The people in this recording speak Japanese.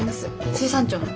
水産庁の。